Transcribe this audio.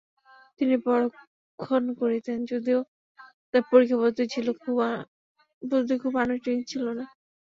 তিনি পরীক্ষণ করতেন, যদিও তার পরীক্ষা পদ্ধতি খুব আনুষ্ঠানিক ছিলনা।